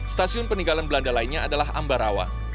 stasiun peninggalan belanda lainnya adalah ambarawa